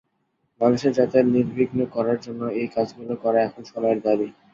মানুষের যাতায়াত নির্বিঘ্ন করার জন্য এই কাজগুলো করা এখন সময়ের দাবি।